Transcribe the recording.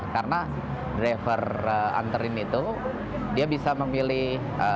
karena driver antarin itu dia bisa memilih lima ratus seribu seribu lima ratus dua ribu tiga ribu empat ribu